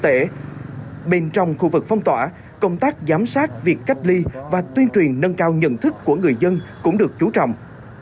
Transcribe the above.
để tâm soát yếu tố dịch tễ bên trong khu vực phong tỏa công tác giám sát việc cách ly và tuyên truyền nâng cao nhận thức của người dân cũng được chú trọng